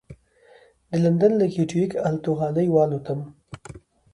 د لندن له ګېټوېک الوتغالي والوتم.